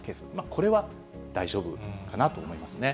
これは大丈夫かなと思いますね。